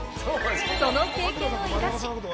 その経験を生かし。